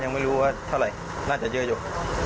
ยังไม่รู้ว่าเท่าไหร่น่าจะเยอะอยู่